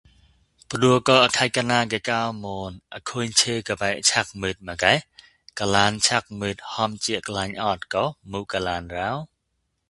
ပ္ဍဲကဵုအခိုက်ကၞာဂကူမန်အခိၚ်ဆဵုဂဗဆက်မိတ်မ္ဂးဂလာန်ဆက်မိတ်ဟီုစဂၠိုၚ်အိုတ်ဂှ်မုဂလာန်ရော